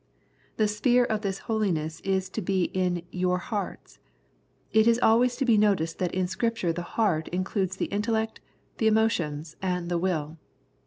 The sphere of this holiness is to be in " your hearts." It is always to be noticed that in Scripture the " heart " includes the intellect, the emotions, and the will.